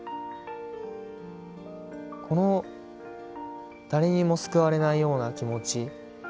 この誰にも救われないような気持ち